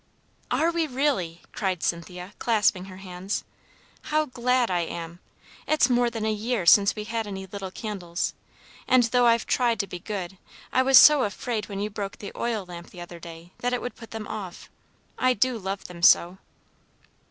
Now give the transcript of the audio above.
"Are we really?" cried Cynthia, clasping her hands. "How glad I am! It's more than a year since we had any little candles, and though I've tried to be good, I was so afraid when you broke the oil lamp, the other day, that it would put them off. I do love them so!"